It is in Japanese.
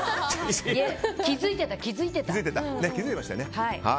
気づいてた、気づいてた。